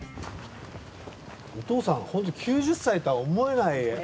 お父さんホント９０歳とは思えない。